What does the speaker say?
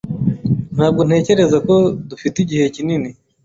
Ntabwo ntekereza ko dufite igihe kinini.